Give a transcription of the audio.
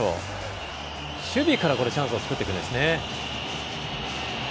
守備からチャンスを作っていくんですね。